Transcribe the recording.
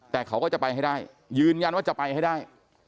แต่เขาก็จะไปให้ได้ยืนยันว่าจะไปให้ได้